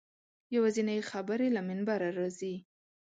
یوازینۍ خبرې له منبره راځي.